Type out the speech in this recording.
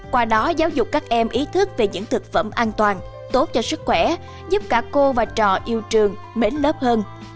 qua đó giáo dục các em ý thức về những thực phẩm an toàn tốt cho sức khỏe giúp cả cô và trò yêu trường mến lớp hơn